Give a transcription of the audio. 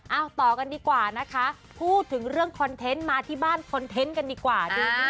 ต่อกันดีกว่านะคะพูดถึงเรื่องคอนเทนต์มาที่บ้านคอนเทนต์กันดีกว่าดูสิ